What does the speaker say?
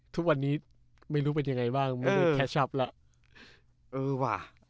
ทั้งวันนี้ไม่รู้เป็นยังไงบ้างเคทชัพแล้ว